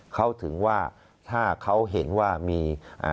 เขาถึงว่าถ้าเขาเห็นว่ามี